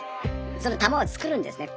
その玉を作るんですね。